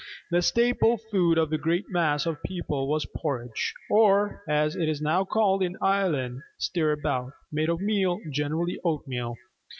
The staple food of the great mass of the people was porridge, or, as it is now called in Ireland, stirabout, made of meal, generally oatmeal.